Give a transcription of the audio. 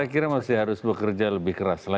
saya kira masih harus bekerja lebih keras lagi